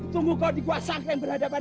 tunggu khotigwa sangh bridge berhadapan